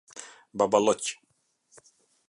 Baballoq